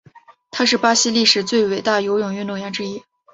他是巴西历史上最伟大游泳运动员之一。